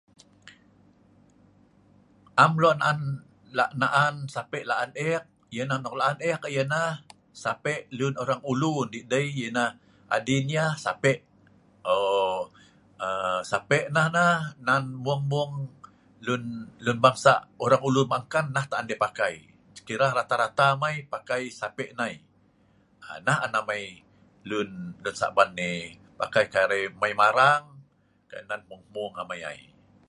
"am lo'naan sapek'laan eek yeh nah nok laan eek yeh nah sapek' orang ulu ndeh dei'adin yeh oo""sapek' yeh nah mung'-mung' lun bangsa orang ulu mah nkan' nah juga an lun pakai nah rata-rata amaipakai sapek'nai an amai lun sa'ban ai pakai lem mun'-mung'."